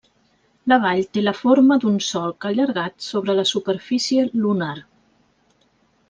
La vall té la forma d'un solc allargat sobre la superfície lunar.